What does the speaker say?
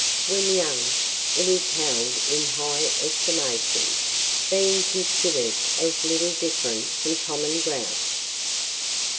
When young, it is held in high estimation, being considered as little different from common grouse.